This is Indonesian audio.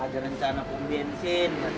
ada rencana pengganti bensin